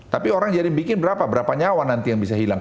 tapi orang jadi bikin berapa berapa nyawa nanti yang bisa hilang